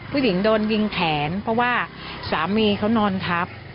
ผู้หญิงโดนยิงแขนเพราะว่าสามีเขานอนทับ